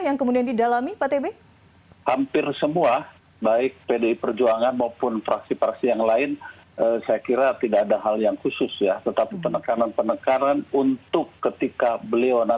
jenderal andika perkasa